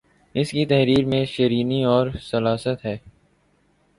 اسکی تحریر میں شیرینی اور سلاست ہے